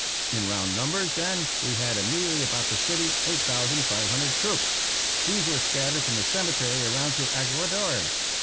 In round numbers, then, we had immediately about the city 8,500 troops. These were scattered from the cemetery around to Aguadores.